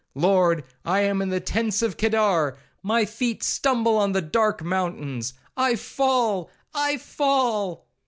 —Lord, I am in the tents of Kedar, my feet stumble on the dark mountains,—I fall,—I fall!'